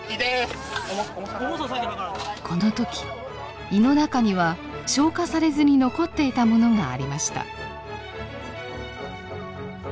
この時胃の中には消化されずに残っていたものがありました。